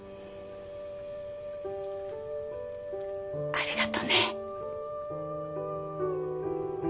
ありがとね。